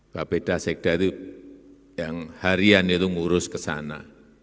kapeda sekda itu yang harian itu ngurus ke sana